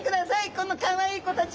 このかわいい子たち。